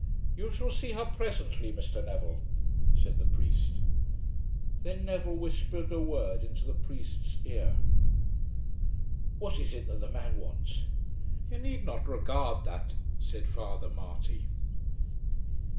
"You shall see her presently, Mr. Neville," said the priest. Then Neville whispered a word into the priest's ear. "What is it that the man wants?" "You need not regard that," said Father Marty.